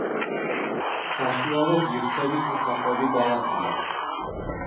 საშუალო ღირსების საკვები ბალახია.